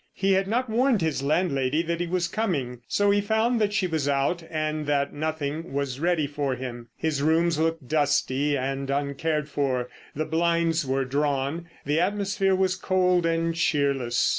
He had not warned his landlady that he was coming, so he found that she was out and that nothing was ready for him. His rooms looked dusty and uncared for, the blinds were drawn, the atmosphere was cold and cheerless.